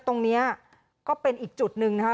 ตรงนี้ก็เป็นอีกจุดหนึ่งนะคะ